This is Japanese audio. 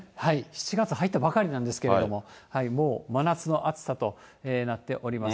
７月入ったばかりなんですけども、もう真夏の暑さとなっております。